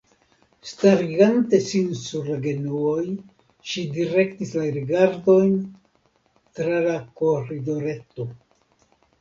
Starigante sin sur la genuoj, ŝi direktis la rigardojn, tra la koridoreto.